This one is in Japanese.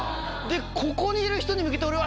ここにいる人に向けて俺は。